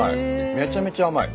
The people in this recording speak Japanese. めちゃめちゃ甘い。